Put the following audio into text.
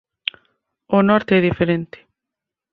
O norte é diferente